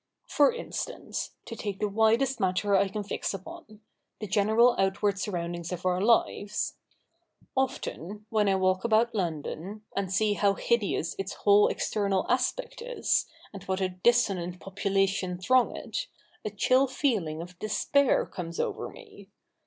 For instance (to take the widest matter I can fix upon — the general outward surroundings of our lives), often, when I walk about London, and see how hideous its whole external aspect is, and what a dissonant population throng it, a chill feeling of despair comes over me.